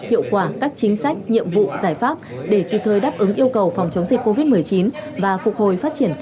hiệu quả các chính sách nhiệm vụ giải pháp để kịp thời đáp ứng yêu cầu phòng chống dịch covid một mươi chín và phục hồi phát triển kinh tế